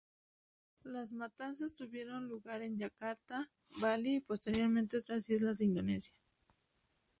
Las matanzas tuvieron lugar en Yakarta, Bali y posteriormente otras islas de Indonesia.